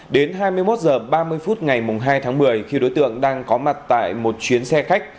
đến hai mươi một h ba mươi phút ngày hai tháng một mươi khi đối tượng đang có mặt tại một chuyến xe khách